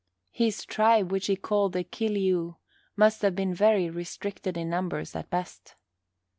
His tribe, which he called the Kil ee ou, must have been very restricted in numbers at best.